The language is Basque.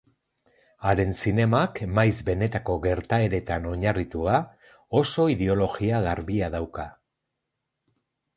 Haren zinemak, maiz benetako gertaeretan oinarritua, oso ideologia garbia dauka.